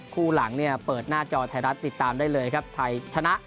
คู่หลังเนี่ยเปิดหน้าจอไทยรัฐติดตามได้เลยครับไทยชนะ